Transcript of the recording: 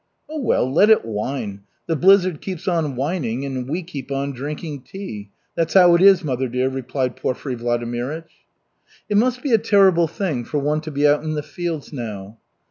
"Oh, well, let it whine. The blizzard keeps on whining and we keep on drinking tea. That's how it is, mother dear," replied Porfiry Vladimirych. "It must be a terrible thing for one to be out in the fields now."